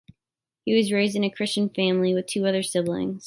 He was raised in a Christian family, with two other siblings.